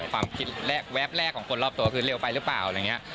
ความคิดแรกแวบแรกของคนรอบตัวคือเร็วไปหรือเปล่าอะไรอย่างนี้